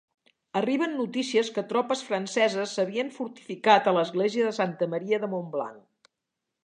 Arriben notícies que tropes franceses s'havien fortificat a l'església de Santa Maria de Montblanc.